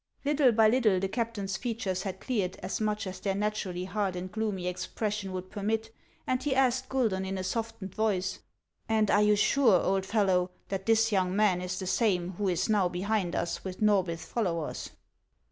Little by little the captain's features had cleared as much as their naturally hard and gloomy expression would permit, and he asked Guidon in a softened voice :" And are you sure, old fellow, that this young man is the same who is now behind us with Norbith's followers